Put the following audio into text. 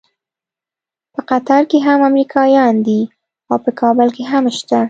په قطر کې هم امریکایان دي او په کابل کې هم شته.